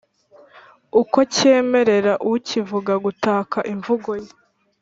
uko cyemerera ukivuga gutaka imvugo ye.